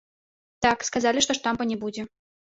Так, сказалі, што штампа не будзе.